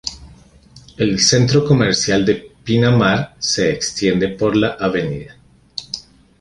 El centro comercial de Pinamar se extiende por la Av.